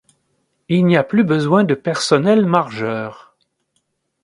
Il n'y a plus besoin de personnel margeur.